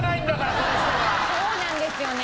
そうなんですよね！